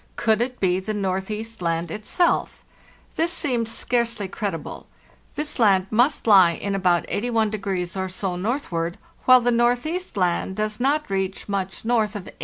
Could it be the Northeast Land itself? Thisseemed scarcely credible. This land must lie in about 81 or so northward, while the Northeast Land does not reach much north of 80°.